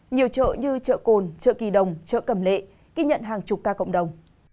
nhiều chợ như chợ cồn chợ kỳ đồng chợ cẩm lệ ghi nhận hàng chục ca cộng đồng